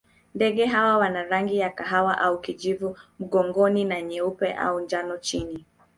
Ndege hawa wana rangi ya kahawa au kijivu mgongoni na nyeupe au njano chini.